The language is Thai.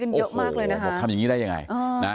กันเยอะมากเลยนะฮะ